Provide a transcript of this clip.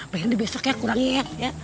belikan di besok ya kurangnya